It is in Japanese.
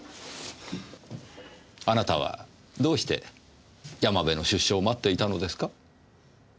あなたはどうして山部の出所を待っていたのですか？